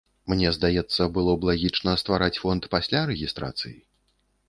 Мне здаецца, было б лагічна ствараць фонд пасля рэгістрацыі.